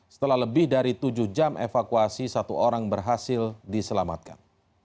setelah lebih dari tujuh jam evakuasi satu orang berhasil diselamatkan